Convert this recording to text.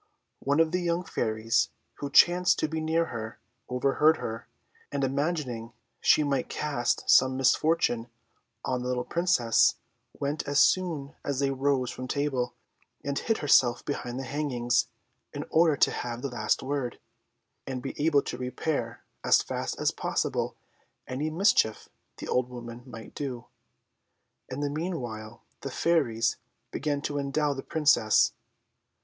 One of the young Fairies, who chanced to be near her, overheard her, and imagining she might cast some misfortune on the little Princess, went, as soon as they rose from table, and hid herself behind the hangings, in order to have the last word, and be able to repair, as fast as possible, any mischief the old woman might do. In the meanwhile, the Fairies began to endow the Princess.